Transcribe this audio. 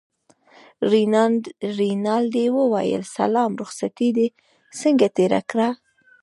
رینالډي وویل سلام رخصتې دې څنګه تېره کړه.